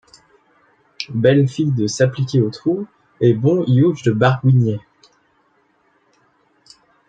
Belle fille de s’appliquer au trou, et bon iuge de barguigner.